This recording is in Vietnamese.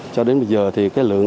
cho đến bây giờ thì cái lượng